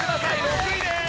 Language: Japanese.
６位です！